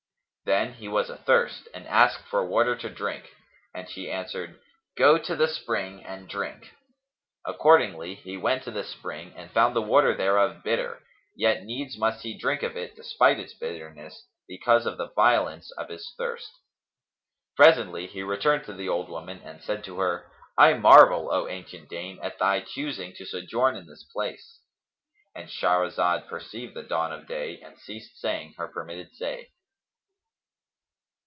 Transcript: [FN#278] Then he was athirst and asked for water to drink; and she answered, "Go to the spring and drink." Accordingly, he went to the spring and found the water thereof bitter; yet needs must he drink of it despite its bitterness, because of the violence of his thirst. Presently he returned to the old woman and said to her, "I marvel, O ancient dame, at thy choosing to sojourn in this place"—And Shahrazad perceived the dawn of day and ceased saying her permitted say.